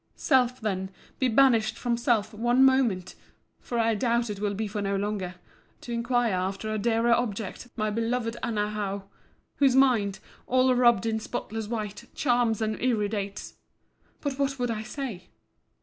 Self, then, be banished from self one moment (for I doubt it will be for no longer) to inquire after a dearer object, my beloved Anna Howe!—whose mind, all robed in spotless white, charms and irradiates—But what would I say?